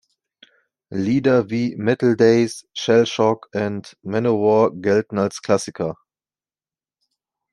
Lieder wie "Metal Daze", "Shell Shock" und "Manowar" gelten als Klassiker.